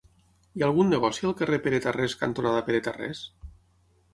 Hi ha algun negoci al carrer Pere Tarrés cantonada Pere Tarrés?